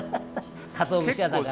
かつお節屋だから。